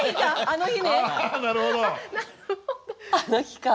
あの日か。